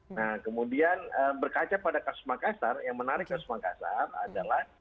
nah kemudian berkaca pada kasumangkasar yang menarik kasumangkasar adalah